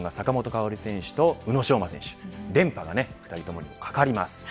ともにチャンピオンが坂本花織選手と宇野昌磨選手連覇が２人とも懸かります。